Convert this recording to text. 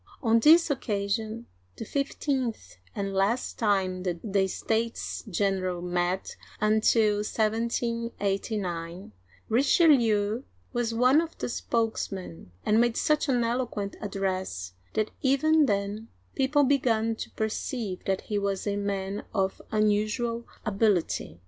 On this oc casion — the fifteenth and last time the States General met until 1789 — Richelieu (ree she lye') was one of the spokesmen, and made such an eloquent address that even then people began to perceive that he was a man of un usual ability.